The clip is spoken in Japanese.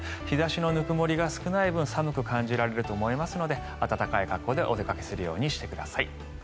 日差しのぬくもりが少ない分寒く感じられると思いますので暖かい格好でお出かけするようにしてください。